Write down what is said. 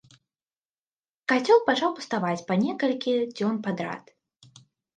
Кацёл пачаў пуставаць па некалькі дзён падрад.